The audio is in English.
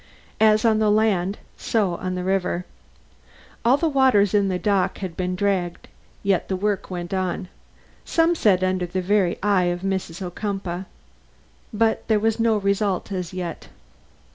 As on the land, so on the river. All the waters in the dock had been dragged, yet the work went on, some said under the very eye of Mrs. Ocumpaugh. But there was no result as yet.